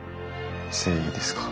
誠意ですか。